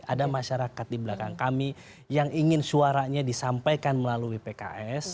ada masyarakat di belakang kami yang ingin suaranya disampaikan melalui pks